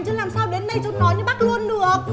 chứ làm sao đến đây cháu nói như bác luôn được